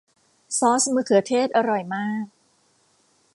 ซอสมะเขือเทศอร่อยมาก